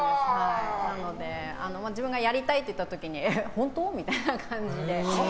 なので、自分がやりたいと言った時には本当？みたいな感じで。